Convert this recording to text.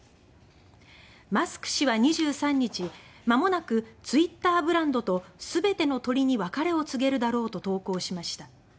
マスク氏は２３日「まもなくツイッターブランドとすべての鳥に別れを告げるだろう」と投稿しました。